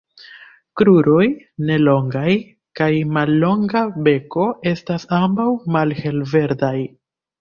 Kruroj -ne longaj- kaj mallonga beko estas ambaŭ malhelverdaj.